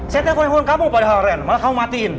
saya telepon telepon kamu padahal ren malah kamu matiin